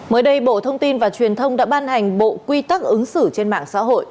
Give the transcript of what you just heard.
mới đây bộ thông tin và truyền thông đã ban hành bộ quy tắc ứng xử trên mạng xã hội